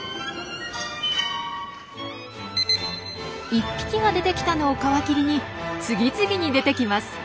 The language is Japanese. １匹が出てきたのを皮切りに次々に出てきます。